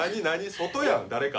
外やん、誰か。